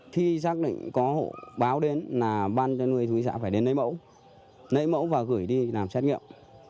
khi xác định có hộ báo đến là ban chăn nuôi thúy xã phải đến lấy mẫu lấy mẫu và gửi đi làm xét nghiệm